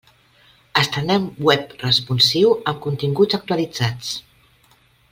Estrenem web responsiu amb continguts actualitzats.